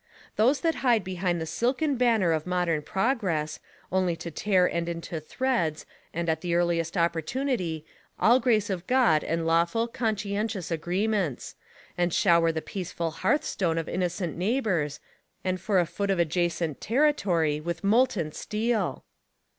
Those that hide behind the silken banner of modern progress, only to tear and into_ threads and at the earliest opportunity, all grace of God and lawful, conscientious agreements ; and shower the peaceful hearth stone of innocent neighbors, and for a foot of adjacent territory, with molten steel?